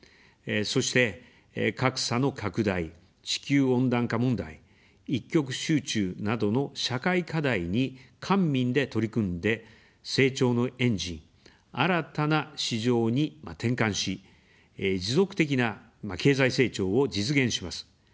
そして、格差の拡大、地球温暖化問題、一極集中などの社会課題に官民で取り組んで、成長のエンジン、新たな市場に転換し、持続的な経済成長を実現します。